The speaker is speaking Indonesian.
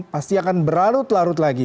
pasti akan berlarut larut lagi